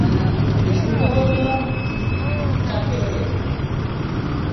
বিস্মিত হয়ে বললাম, চা কে বানিয়েছে?